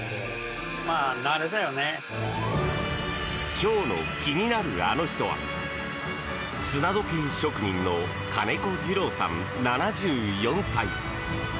今日の気になるアノ人は砂時計職人の金子治郎さん、７４歳。